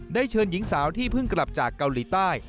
เชิญหญิงสาวที่เพิ่งกลับจากเกาหลีใต้